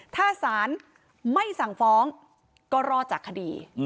ถ้าศาลไม่สั่งฟ้องก็รอดจากคดี